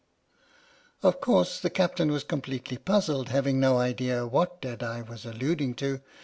Of course the Captain was completely puzzled, having no idea what Deadeye was alluding to.